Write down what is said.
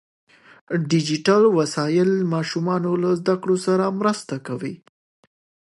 ډیجیټل وسایل ماشومان له زده کړو سره مرسته کوي.